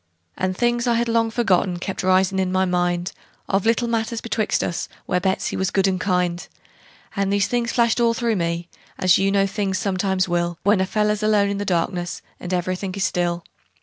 And things I had long forgotten kept risin' in my mind, Of little matters betwixt us, where Betsey was good and kind; And these things flashed all through me, as you know things sometimes will When a feller's alone in the darkness, and every thing is still.